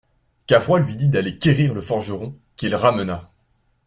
Cavrois lui dit d'aller quérir le forgeron, qu'il ramena.